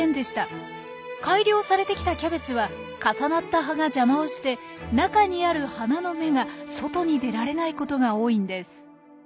改良されてきたキャベツは重なった葉が邪魔をして中にある花の芽が外に出られないことが多いんです。